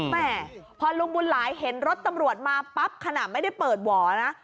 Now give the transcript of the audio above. แม่พอลุงบุญหลายเห็นรถตำรวจมาปั๊บขนาดไม่ได้เปิดหวอนะ